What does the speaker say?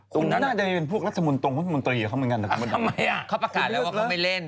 คุณน่าจะได้เป็นพวกรัฐสมุนตร์ตรงรัฐสมุนตรีหรือเขาเหมือนกัน